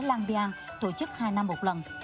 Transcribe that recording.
lan biang tổ chức hai năm một lần